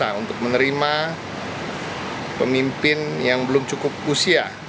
atau calon wali kota dan wakil gubernur